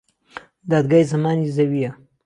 دادگای زەمانی زەویە